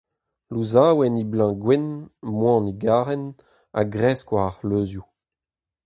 Louzaouenn he bleuñv gwenn, moan he garenn, a gresk war ar c'hleuzioù.